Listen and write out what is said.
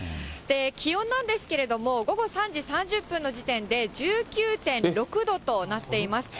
気温なんですけれども、午後３時３０分の時点で１９．６度となっています。